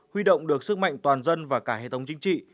huy động được sức mạnh toàn dân và cả hệ thống chính trị